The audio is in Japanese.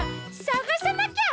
さがさなきゃ！